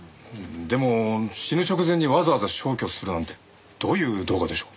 でも死ぬ直前にわざわざ消去するなんてどういう動画でしょう？